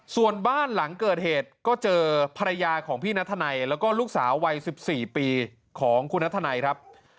ส่วนบ้านหลังเกิดเหตุก็เจอภรรยาของพี่นัทนัยแล้วก็ลูกสาววัย๑๔ปีของคุณนัทนัยครับ